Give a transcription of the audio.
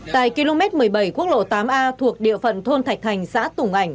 tại km một mươi bảy quốc lộ tám a thuộc địa phận thôn thạch thành xã tùng ảnh